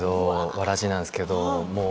わらじなんですけど。